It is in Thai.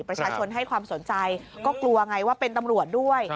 ประชาชนให้ความสนใจก็กลัวไงว่าเป็นตำรวจด้วย